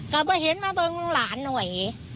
ก็ไม่เห็นมาเบิ่งลูกหลานหน่อย